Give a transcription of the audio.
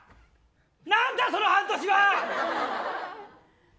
なんだその半年は。